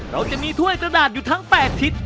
เราจะมีถ้วยกระดาษอยู่ทั้ง๘ทิศ